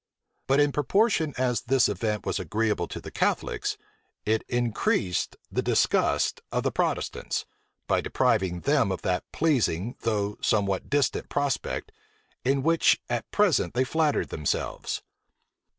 But in proportion as this event was agreeable to the Catholics, it increased the disgust of the Protestants, by depriving them of that pleasing though somewhat distant prospect, in which at present they flattered themselves.